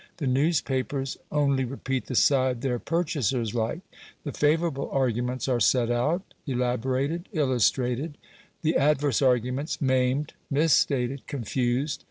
The newspapers only repeat the side their purchasers like: the favourable arguments are set out, elaborated, illustrated; the adverse arguments maimed, misstated, confused.